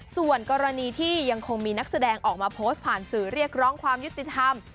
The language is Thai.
ส่วนกรณีที่ยังคงมีนักแสดงออกมาโพสต์ผ่านสื่อเรียกร้องความยุติธรรม